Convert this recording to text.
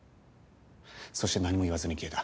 そして何も言わずに消えた。